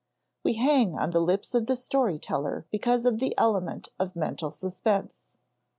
We hang on the lips of the story teller because of the element of mental suspense.